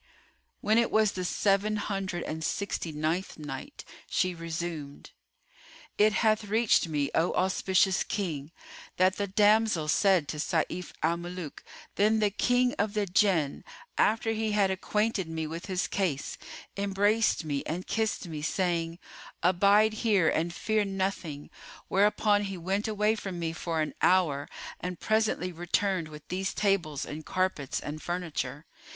When it was the Seven Hundred and Sixty ninth Night, She resumed, It hath reached me, O auspicious King, that the damsel said to Sayf al Muluk, "Then the King of the Jann, after he had acquainted me with his case, embraced me and kissed me, saying, 'Abide here and fear nothing'; whereupon he went away from me for an hour and presently returned with these tables and carpets and furniture.